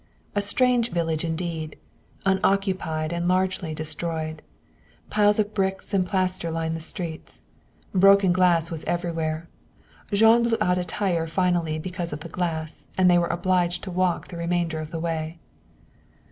A strange village indeed, unoccupied and largely destroyed. Piles of bricks and plaster lined the streets. Broken glass was everywhere. Jean blew out a tire finally, because of the glass, and they were obliged to walk the remainder of the way.